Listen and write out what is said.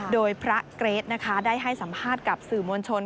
โดยพระเกรทนะคะได้ให้สัมภาษณ์กับสื่อมวลชน